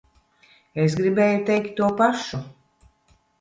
Es gribēju teikt to pašu.